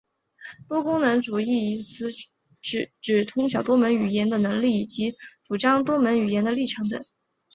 多语能通主义一词是指通晓多门语言的能力以及主张学习多门语言的立场等。